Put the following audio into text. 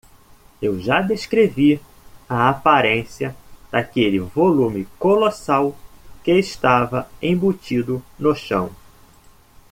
Eu já descrevi a aparência daquele volume colossal que estava embutido no chão.